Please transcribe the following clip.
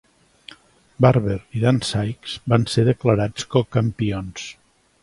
Barber i Dan Sikes van ser declarats cocampions.